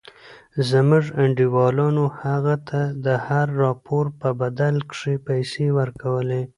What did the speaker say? زموږ انډيوالانو هغه ته د هر راپور په بدل کښې پيسې ورکولې.